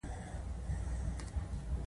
د کلیزو منظره د افغانانو د تفریح یوه وسیله ده.